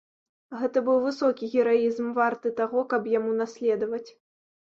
Гэта быў высокі гераізм, варты таго, каб яму наследаваць.